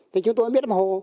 chúng tôi không biết làm sao